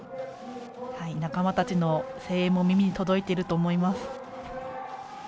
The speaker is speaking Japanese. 仲間たちの声援も耳に届いていると思います。